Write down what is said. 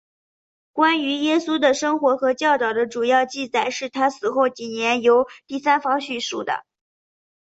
关于耶稣的生活和教导的主要记载是他死后几年由第三方叙述的。